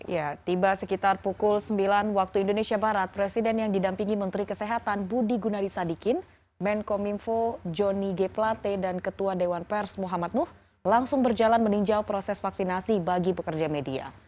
ya tiba sekitar pukul sembilan waktu indonesia barat presiden yang didampingi menteri kesehatan budi gunadisadikin menko minfo jonny g plate dan ketua dewan pers muhammad muh langsung berjalan meninjau proses vaksinasi bagi pekerja media